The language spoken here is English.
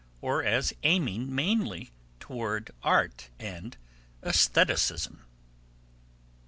. or as aiming mainly toward art and aestheticism.'